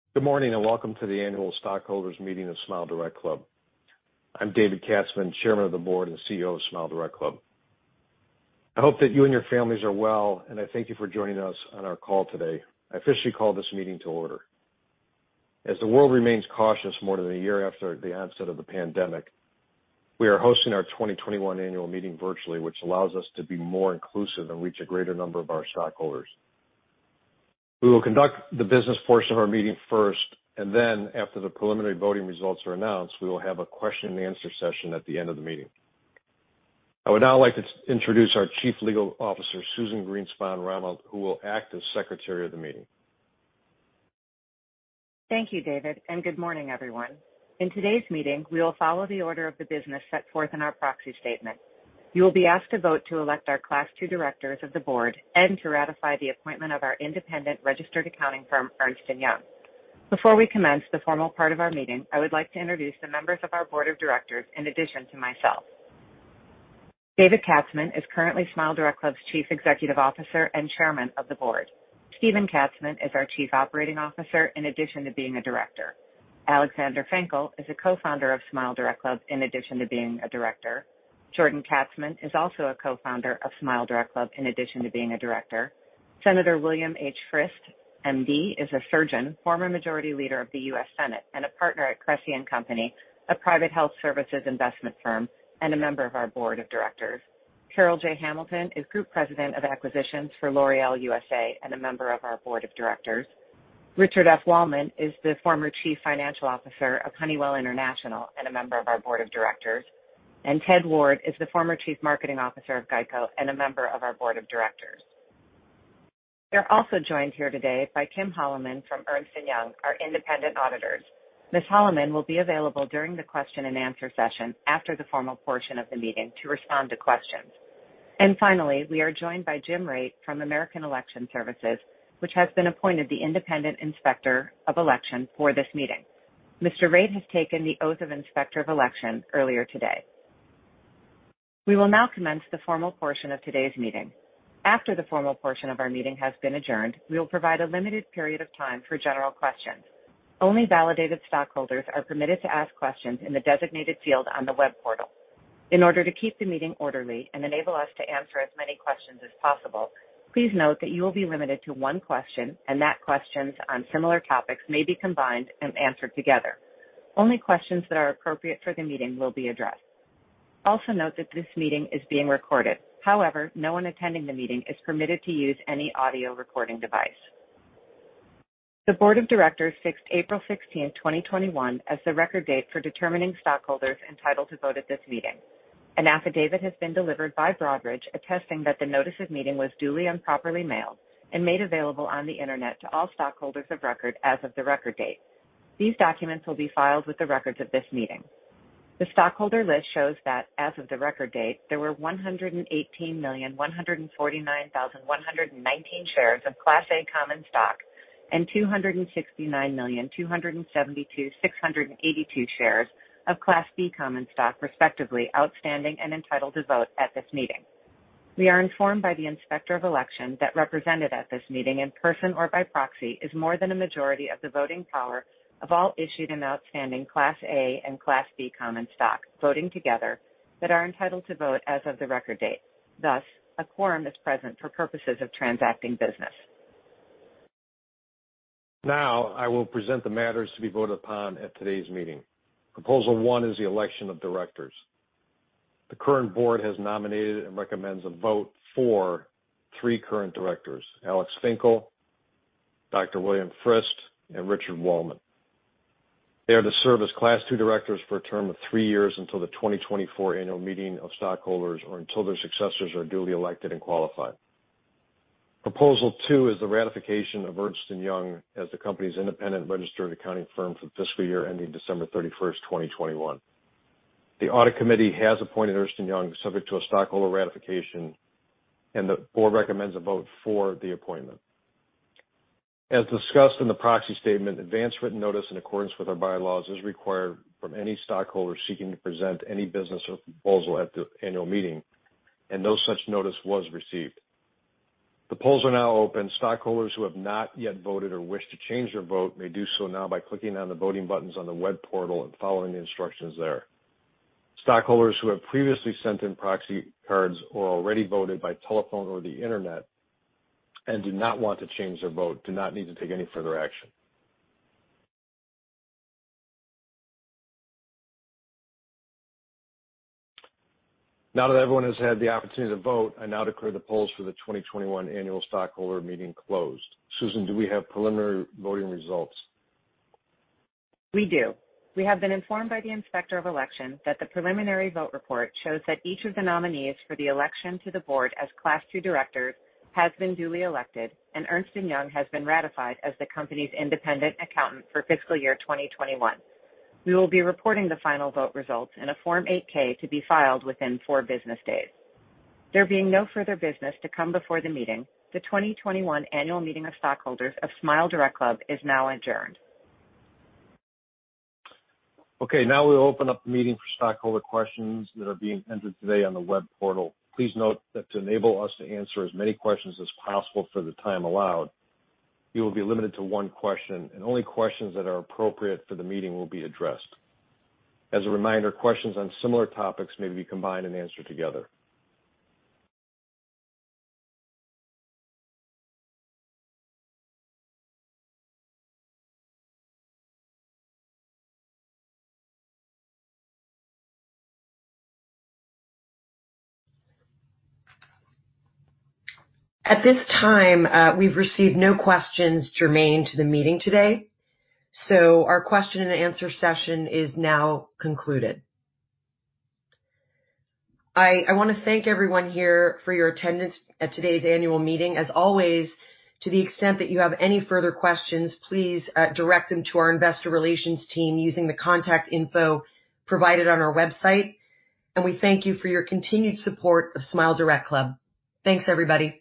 Good morning, and welcome to the Annual Stockholders Meeting of SmileDirectClub. I'm David Katzman, Chairman of the Board and CEO of SmileDirectClub. I hope that you and your families are well, and I thank you for joining us on our call today. I officially call this meeting to order. As the world remains cautious more than one year after the onset of the pandemic, we are hosting our 2021 annual meeting virtually, which allows us to be more inclusive and reach a greater number of our stockholders. We will conduct the business portion of our meeting first, and then after the preliminary voting results are announced, we will have a question and answer session at the end of the meeting. I would now like to introduce our Chief Legal Officer, Susan Greenspon Rammelt, who will act as secretary of the meeting. Thank you, David, and good morning, everyone. In today's meeting, we will follow the order of the business set forth in our proxy statement. You will be asked to vote to elect our Class II directors of the board and to ratify the appointment of our independent registered accounting firm, Ernst & Young. Before we commence the formal part of our meeting, I would like to introduce the members of our board of directors in addition to myself. David Katzman is currently SmileDirectClub's Chief Executive Officer and Chairman of the Board. Steven Katzman is our Chief Operating Officer in addition to being a director. Alex Fenkell is a co-founder of SmileDirectClub in addition to being a director. Jordan Katzman is also a co-founder of SmileDirectClub in addition to being a director. Senator William H. Frist, MD is a surgeon, former majority leader of the U.S. Senate, and a Partner at Cressey & Company, a private health services investment firm, and a member of our Board of Directors. Carol J. Hamilton is Group President of Acquisitions for L'Oréal U.S.A and a member of our Board of Directors. Richard Wallman is the former Chief Financial Officer of Honeywell International and a member of our Board of Directors. Edward Ward is the former Chief Marketing Officer of GEICO and a member of our Board of Directors. We are also joined here today by Kim Holliman from Ernst & Young, our independent auditors. Ms. Holliman will be available during the question and answer session after the formal portion of the meeting to respond to questions. Finally, we are joined by Jim Rade from American Election Services, which has been appointed the independent inspector of election for this meeting. Mr. Rade has taken the oath of inspector of election earlier today. We will now commence the formal portion of today's meeting. After the formal portion of our meeting has been adjourned, we will provide a limited period of time for general questions. Only validated stockholders are permitted to ask questions in the designated field on the web portal. In order to keep the meeting orderly and enable us to answer as many questions as possible, please note that you will be limited to one question and that questions on similar topics may be combined and answered together. Only questions that are appropriate for the meeting will be addressed. Also note that this meeting is being recorded. However, no one attending the meeting is permitted to use any audio recording device. The board of directors fixed April 16th, 2021, as the record date for determining stockholders entitled to vote at this meeting. An affidavit has been delivered by Broadridge attesting that the notice of meeting was duly and properly mailed and made available on the Internet to all stockholders of record as of the record date. These documents will be filed with the records of this meeting. The stockholder list shows that as of the record date, there were 118,149,119 shares of Class A common stock and 269,272,682 shares of Class B common stock respectively outstanding and entitled to vote at this meeting. We are informed by the inspector of election that represented at this meeting in person or by proxy is more than a majority of the voting power of all issued and outstanding Class A and Class B common stock voting together that are entitled to vote as of the record date, thus, a quorum is present for purposes of transacting business. Now I will present the matters to be voted upon at today's meeting. Proposal one is the election of directors. The current board has nominated and recommends a vote for three current directors, Alex Fenkell, William H. Frist, and Richard Wallman. They are to serve as Class II directors for a term of three years until the 2024 annual meeting of stockholders or until their successors are duly elected and qualified. Proposal two is the ratification of Ernst & Young as the company's independent registered accounting firm for the fiscal year ending December 31, 2021. The audit committee has appointed Ernst & Young subject to a stockholder ratification, and the board recommends a vote for the appointment. As discussed in the proxy statement, advance written notice in accordance with our bylaws is required from any stockholder seeking to present any business or proposal at the annual meeting, and no such notice was received. The polls are now open. Stockholders who have not yet voted or wish to change their vote may do so now by clicking on the voting buttons on the web portal and following the instructions there. Stockholders who have previously sent in proxy cards or already voted by telephone or the Internet and do not want to change their vote do not need to take any further action. Now that everyone has had the opportunity to vote, I now declare the polls for the 2021 annual stockholder meeting closed. Susan, do we have preliminary voting results? We do. We have been informed by the inspector of election that the preliminary vote report shows that each of the nominees for the election to the board as Class II directors has been duly elected, and Ernst & Young has been ratified as the company's independent accountant for fiscal year 2021. We will be reporting the final vote results in a Form 8-K to be filed within four business days. There being no further business to come before the meeting, the 2021 annual meeting of stockholders of SmileDirectClub is now adjourned. Okay, now we open up the meeting for stockholder questions that are being entered today on the web portal. Please note that to enable us to answer as many questions as possible for the time allowed, you will be limited to one question, and only questions that are appropriate for the meeting will be addressed. As a reminder, questions on similar topics may be combined and answered together. At this time, we've received no questions germane to the meeting today, so our question and answer session is now concluded. I want to thank everyone here for your attendance at today's annual meeting. As always, to the extent that you have any further questions, please direct them to our Investor Relations team using the contact info provided on our website, and we thank you for your continued support of SmileDirectClub. Thanks, everybody.